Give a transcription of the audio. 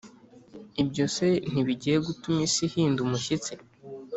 ibyo se ntibigiye gutuma isi ihinda umushyitsi,